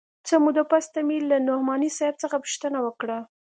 څه موده پس ته مې له نعماني صاحب څخه پوښتنه وکړه.